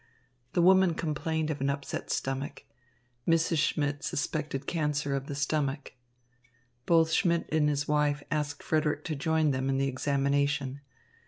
The woman complained of an upset stomach. Mrs. Schmidt suspected cancer of the stomach. Both Schmidt and his wife asked Frederick to join them in the examination.